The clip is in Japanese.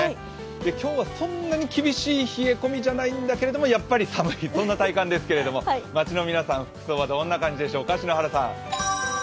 今日はそんなに厳しい冷え込みじゃないんだけどやっぱり寒い、そんな体感ですけど街の皆さん、服装はどんな感じでしょうか？